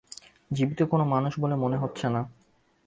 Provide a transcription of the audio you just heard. জীবিত কোনো মানুষ বলে মনে হচ্ছে না।